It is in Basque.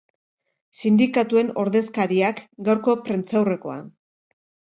Sindikatuen ordezkariak, gaurko prentsaurrekoan.